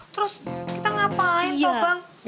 terus kita ngapain yoga bang